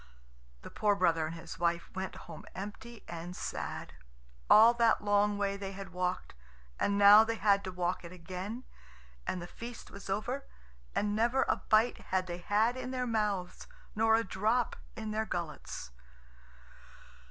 The poor brother and his wife went home empty and sad. All that long way they had walked, and now they had to walk it again, and the feast was over, and never a bite had they had in their mouths, nor a drop in their gullets.